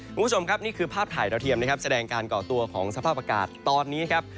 คุณผู้ชมครับนี่คือภาพถ่ายดาวเทียมนะครับแสดงการก่อตัวของสภาพอากาศตอนนี้ครับ